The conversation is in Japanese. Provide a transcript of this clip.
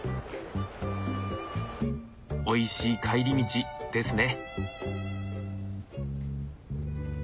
おいしい帰り道ですね。